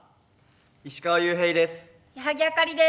石川裕平です。